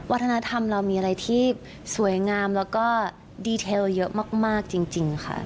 วัฒนธรรมเรามีอะไรที่สวยงามแล้วก็ดีเทลเยอะมากจริงค่ะ